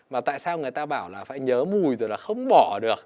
mà tại sao người ta bảo là phải nhớ mùi rồi là không bỏ được